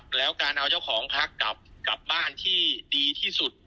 แล้วการเอาเจ้าของพักกลับบ้านที่ดีที่สุด